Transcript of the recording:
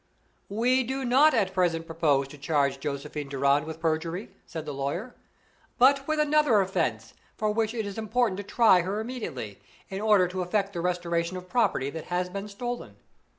"We do not at present propose to charge Josephine Durand with perjury," said the lawyer, "but with another offense, for which it is important to try her immediately, in order to effect the restoration of property that has been stolen.